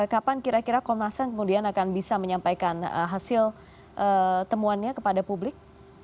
kapan kira kira komnasen akan bisa menyampaikan hasil temuannya kepada publik